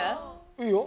いいよ。